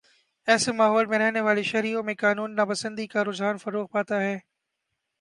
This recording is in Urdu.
ایسے ماحول میں رہنے والے شہریوں میں قانون ناپسندی کا رجحان فروغ پاتا ہے